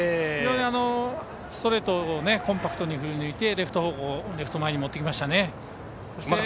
非常にストレートをコンパクトに振りぬいてレフト前に持ってきましたね。